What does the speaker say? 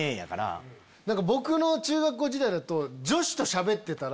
僕の中学校時代だと。